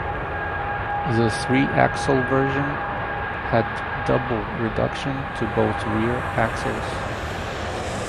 The three axle version had double reduction to both rear axles.